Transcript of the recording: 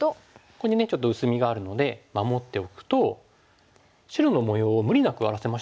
ここにねちょっと薄みがあるので守っておくと白の模様を無理なく荒らせましたよね。